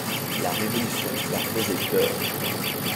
La Révolution leur faisait peur.